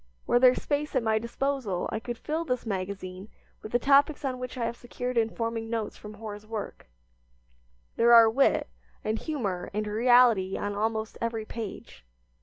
Were there space at my disposal I could fill this magazine with the topics on which I have secured informing notes from Hoar's work. There are wit, and humor, and reality on almost every page.